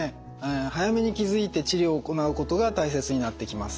早めに気付いて治療を行うことが大切になってきます。